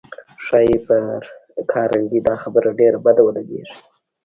ښایي پر کارنګي دا خبره ډېره بده ولګېږي